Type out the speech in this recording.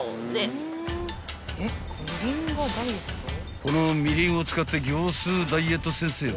［このみりんを使って業スーダイエット先生は］